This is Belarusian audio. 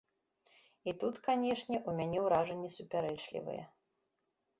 І тут, канечне, у мяне ўражанні супярэчлівыя.